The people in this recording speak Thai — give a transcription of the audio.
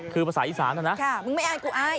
คือภาษาอีสานนะ